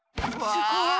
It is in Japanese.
すごい。